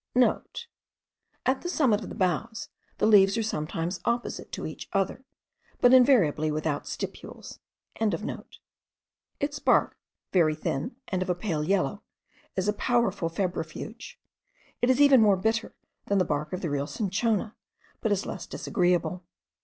*(* At the summit of the boughs, the leaves are sometimes opposite to each other, but invariably without stipules.) Its bark very thin, and of a pale yellow, is a powerful febrifuge. It is even more bitter than the bark of the real cinchona, but is less disagreeable.